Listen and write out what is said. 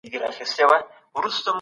د موضوع مخینه په پام کې ونیسئ.